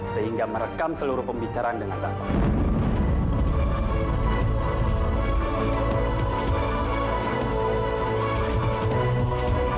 sehingga merekam seluruh pembicaraan dengan damai